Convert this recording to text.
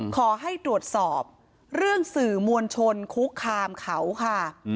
ขอให้ตรวจสอบเรื่องสื่อมวลชนคุกคามเขาค่ะ